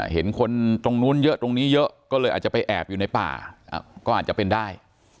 เห็นคนตรงนู้นเยอะตรงนี้เยอะก็เลยอาจจะไปแอบอยู่ในป่าก็อาจจะเป็นได้